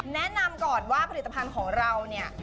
แนะนำก่อนว่าผลิตภัณฑ์ของเราเนี่ย